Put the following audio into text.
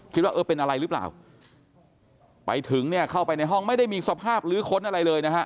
คิดว่าเออเป็นอะไรหรือเปล่าไปถึงเนี่ยเข้าไปในห้องไม่ได้มีสภาพลื้อค้นอะไรเลยนะฮะ